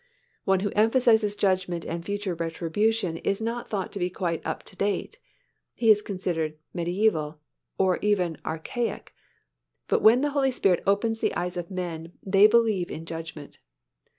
One who emphasizes judgment and future retribution is not thought to be quite up to date; he is considered "mediæval" or even "archaic," but when the Holy Spirit opens the eyes of men, they believe in judgment.